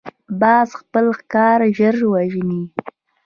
باز خپل ښکار ژر وژني